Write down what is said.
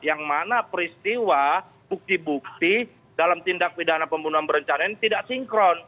yang mana peristiwa bukti bukti dalam tindak pidana pembunuhan berencana ini tidak sinkron